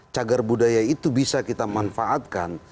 cagar budaya itu bisa kita manfaatkan